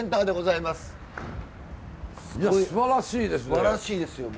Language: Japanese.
いやすばらしいですね。